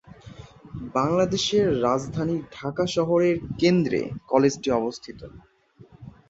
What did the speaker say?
বাংলাদেশের রাজধানী ঢাকা শহরের কেন্দ্রে কলেজটি অবস্থিত।